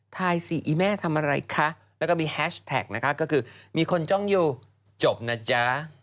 สิอีแม่ทำอะไรคะแล้วก็มีแฮชแท็กนะคะก็คือมีคนจ้องอยู่จบนะจ๊ะ